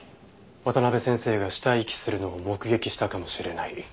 渡辺先生が死体遺棄するのを目撃したかもしれない。